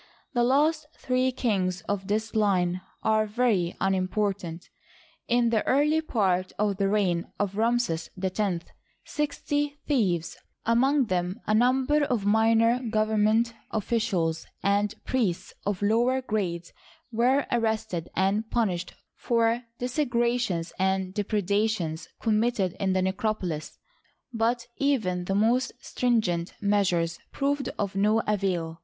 The last three kings of this line are very unimportant. In the early part of the reign of Ramses X, sixty thieves, among them a number of minor government ofincials and Digitized byCjOOQlC THE PERIOD OF DECLINE, 105 priests of lower grades, were arrested and punished for desecrations and depredations committed in the necropo lis. But even the most stringent measures proved of no avail.